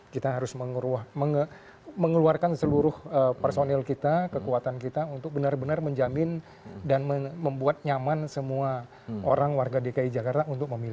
kita harus mengeluarkan seluruh personil kita kekuatan kita untuk benar benar menjamin dan membuat nyaman semua orang warga dki jakarta untuk memilih